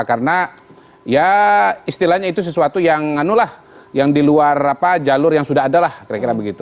karena ya istilahnya itu sesuatu yang anu lah yang diluar apa jalur yang sudah ada lah kira kira begitu